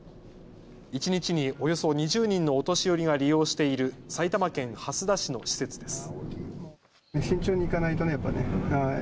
一日におよそ２０人のお年寄りが利用している埼玉県蓮田市の施設です。